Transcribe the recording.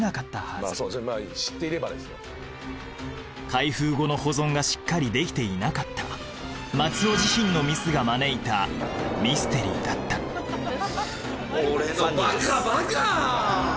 開封後の保存がしっかりできていなかった松尾自身のミスが招いたミステリーだった俺のバカバカ！